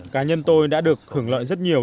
cá nhân tôi đã được hưởng lợi rất nhiều